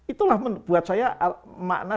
itulah buat saya makna